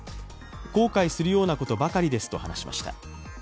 後悔するようなことばかりですと話しました。